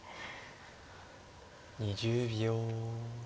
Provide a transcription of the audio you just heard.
２０秒。